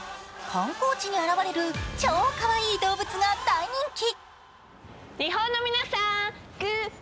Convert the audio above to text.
観光地に現れる超かわいい動物が大人気。